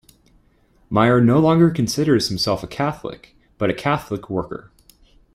Meyer no longer considers himself a Catholic, but a Catholic worker.